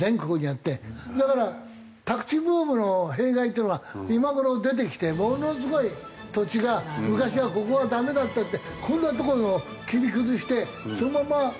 だから宅地ブームの弊害っていうのが今頃出てきてものすごい土地が昔はここはダメだったってこんなとこのを切り崩してそのまま補強しないでやったら。